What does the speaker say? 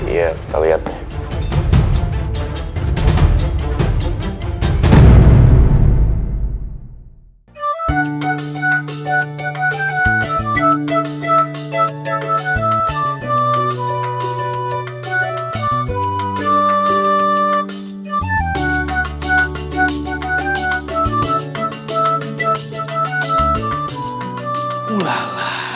iya kita lihat deh